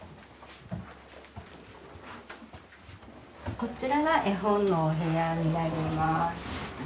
こちらが絵本のお部屋になります。